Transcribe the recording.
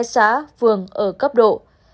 ba trăm một mươi hai xã vườn ở cấp độ ba